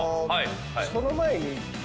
その前に。